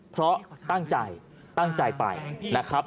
เพราะตั้งใจตั้งใจไปนะครับ